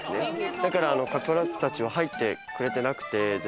だからカピバラたちは入ってくれてなくて全然。